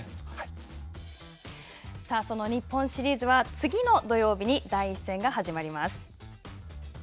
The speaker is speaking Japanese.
その日本シリーズは、次の土曜日に第１戦が始まります。